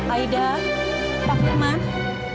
aida pak firman